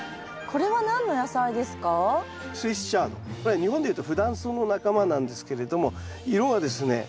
これは日本でいうとフダンソウの仲間なんですけれども色はですね